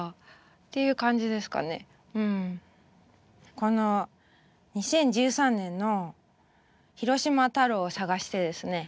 この２０１３年の「“広島太郎”を探して」ですね。